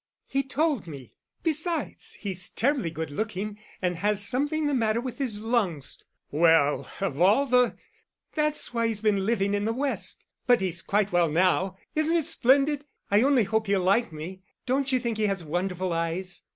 "He told me. Besides, he's terribly good looking, and has had something the matter with his lungs." "Well, of all the——" "That's why he's been living in the West. But he's quite well now. Isn't it splendid? I only hope he'll like me. Don't you think he has wonderful eyes?"